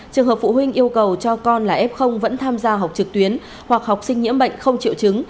trường hợp phụ huynh yêu cầu cho con là f vẫn tham gia học trực tuyến hoặc học sinh nhiễm bệnh không triệu chứng